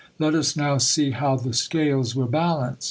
Let us now see how the scales will balance."